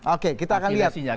oke kita akan lihat